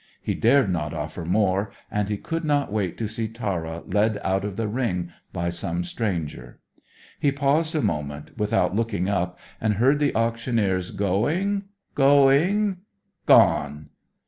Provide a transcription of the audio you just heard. He dared not offer more, and he could not wait to see Tara led out of the ring by some stranger. He paused a moment, without looking up, and heard the auctioneer's "Going, going, gone!"